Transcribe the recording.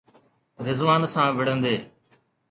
رضوان سان وڙهندي؟